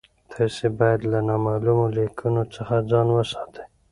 تاسي باید له نامعلومو لینکونو څخه ځان وساتئ.